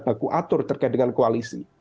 baku atur terkait dengan koalisi